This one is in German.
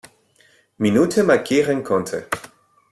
Minute markieren konnte.